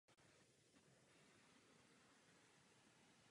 Čas doběhl a v prodloužení na jediný rozhodující zásah Rota vybojoval zlato.